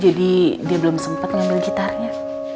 jadi dia belum sempet ngambil gitarnya